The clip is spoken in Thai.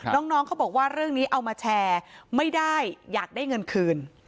น้องเขาบอกว่าเรื่องนี้เอามาแชร์ไม่ได้อยากได้เงินคืน